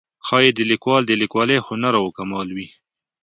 ښایي د لیکوال د لیکوالۍ هنر و کمال و.